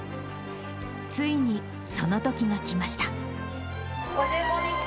ついにそのときが来ました。